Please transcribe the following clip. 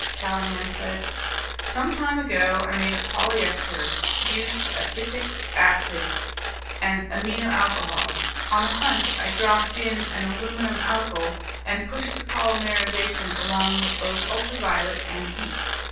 Callahan said, "Some time ago I made a polyester, used adipic acid and an amino alcohol. On a hunch I dropped in an aluminum alkyl, and then pushed the polymerization along with both ultraviolet and heat.